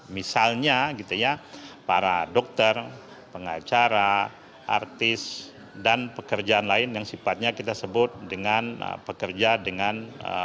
misalnya gitu ya para dokter pengacara artis dan pekerjaan lain yang sifatnya kita sebut dengan pekerja dengan